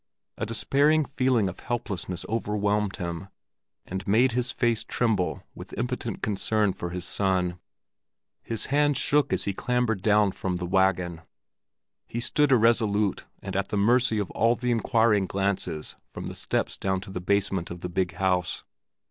A despairing feeling of helplessness overwhelmed him, and made his face tremble with impotent concern for his son. His hands shook as he clambered down from the wagon; he stood irresolute and at the mercy of all the inquiring glances from the steps down to the basement of the big house.